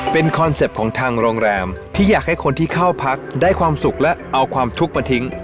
เป็นคอนเซ็ปต์ของทางโรงแรมที่อยากให้คนที่เข้าพักได้ความสุขและเอาความทุกข์มาทิ้ง